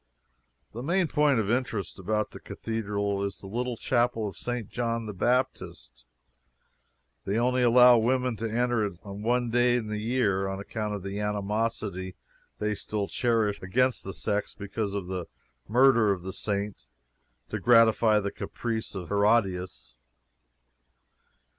The main point of interest about the cathedral is the little Chapel of St. John the Baptist. They only allow women to enter it on one day in the year, on account of the animosity they still cherish against the sex because of the murder of the Saint to gratify a caprice of Herodias.